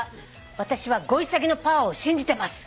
「私はゴイサギのパワーを信じてます」